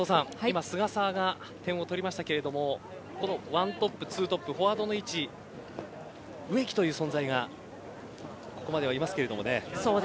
今菅澤が点を取りましたがこの１トップ２トップフォワードの植木という存在がここまではいますけれどもね。